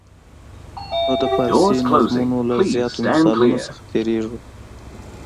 نو د فارسي نظمونو له زیاتو مثالونو څخه تېریږو.